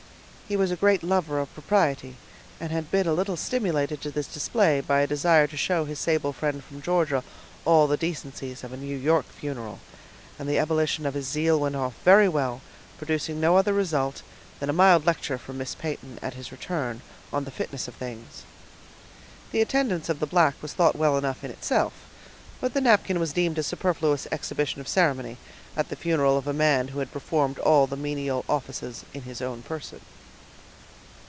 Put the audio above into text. He was a great lover of propriety, and had been a little stimulated to this display by a desire to show his sable friend from Georgia all the decencies of a New York funeral; and the ebullition of his zeal went off very well, producing no other result than a mild lecture from Miss Peyton at his return, on the fitness of things. The attendance of the black was thought well enough in itself; but the napkin was deemed a superfluous exhibition of ceremony, at the funeral of a man who had performed all the menial offices in his own person.